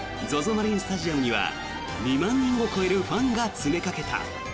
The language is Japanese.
マリンスタジアムには２万人を超えるファンが詰めかけた。